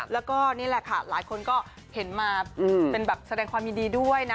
แล้วก็นี่แหละค่ะหลายคนก็เห็นมาเป็นแบบแสดงความยินดีด้วยนะ